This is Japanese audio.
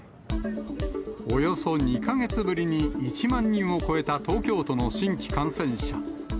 およそ２か月ぶりに１万人を超えた東京都の新規感染者。